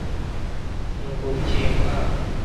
nuko bukeye bwaho